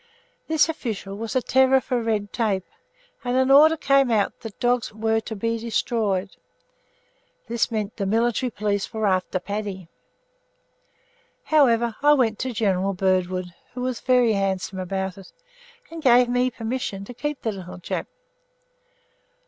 This official was a terror for red tape, and an order came out that dogs were to be destroyed. That meant that the Military Police were after Paddy. However, I went to General Birdwood, who was very handsome about it, and gave me permission to keep the little chap.